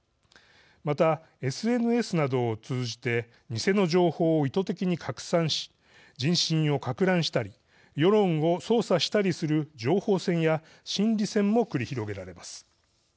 また、ＳＮＳなどを通じて偽の情報を意図的に拡散し人心をかく乱したり世論を操作したりする情報戦や心理戦も繰り広げられます。